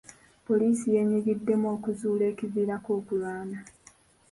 Poliisi yeenyigiddemu okuzuula ekiviirako okulwana.